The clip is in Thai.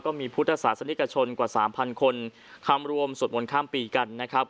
มีพุทธศาสนิกชนกว่า๓๐๐คนคำรวมสวดมนต์ข้ามปีกันนะครับ